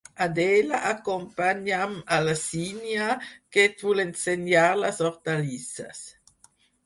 Adela, acompanya'm a la Sínia, que et vull ensenyar les hortalisses.